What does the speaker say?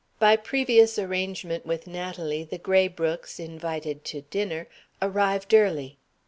By previous arrangement with Natalie, the Graybrookes (invited to dinner) arrived early.